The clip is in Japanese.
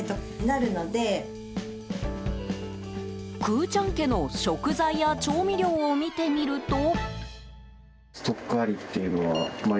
くぅちゃん家の食材や調味料を見てみると。